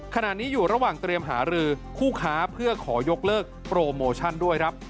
ขณะนี้อยู่ระหว่างเตรียมหารือคู่ค้าเพื่อขอยกเลิกโปรโมชั่นด้วยครับ